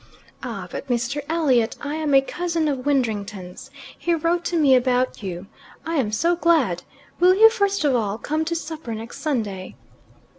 "Ah. But, Mr. Elliot, I am a cousin of Widdrington's. He wrote to me about you. I am so glad. Will you, first of all, come to supper next Sunday?"